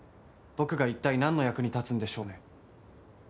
僕が一体なんの役に立つんでしょうね？